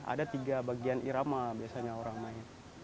ada tiga bagian irama biasanya orang main